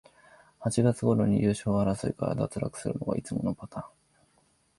八月ごろに優勝争いから脱落するのがいつものパターン